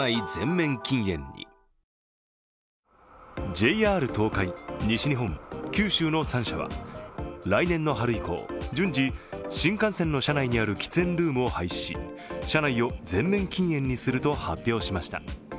ＪＲ東海・西日本・九州の３社は来年の春以降順次、新幹線の車内にある喫煙ルームを廃止し車内を全面禁煙にすると発表しました。